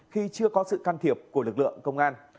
khi chưa có sự can thiệp của lực lượng công an